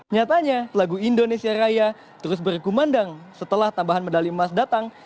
nyatanya lagu indonesia raya terus berkumandang setelah tambahan medali emas datang